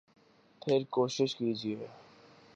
پھر کوشش کیجئے